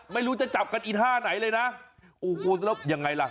ไม่รู้จะจับกันอีท่าไหนเลยนะโอ้โหแล้วยังไงล่ะ